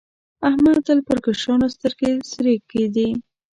احمد تل پر کشرانو سترګې سرې کېدې.